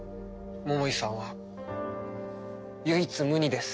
桃井さんは唯一無二です。